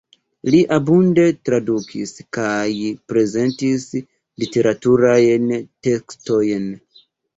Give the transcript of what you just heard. Li abunde tradukis kaj prezentis literaturajn tekstojn.